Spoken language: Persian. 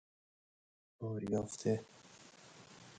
بار یافته